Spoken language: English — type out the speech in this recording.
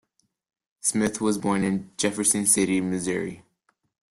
Smith was born in Jefferson City, Missouri.